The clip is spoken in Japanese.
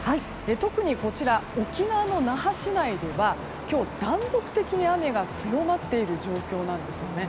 特にこちら、沖縄の那覇市内では今日、断続的に雨が強まっている状況なんですよね。